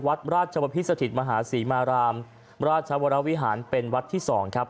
วัดราชวพิสถิตมหาศรีมารามราชวรวิหารเป็นวัดที่๒ครับ